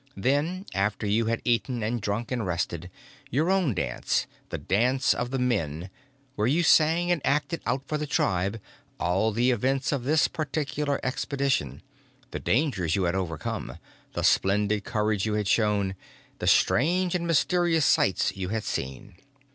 Then, after you had eaten and drunk and rested, your own dance, the dance of the men, where you sang and acted out for the tribe all the events of this particular expedition, the dangers you had overcome, the splendid courage you had shown, the strange and mysterious sights you had seen.